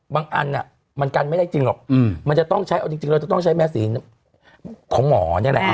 อันมันกันไม่ได้จริงหรอกมันจะต้องใช้เอาจริงเราจะต้องใช้แมสสีของหมอนี่แหละ